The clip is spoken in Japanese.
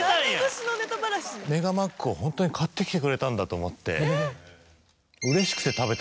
メガマックをホントに買ってきてくれたんだと思って。